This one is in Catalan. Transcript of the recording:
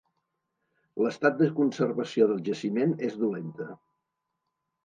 L'estat de conservació del jaciment és dolenta.